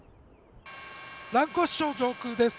蘭越町上空です。